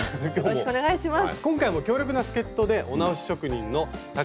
よろしくお願いします。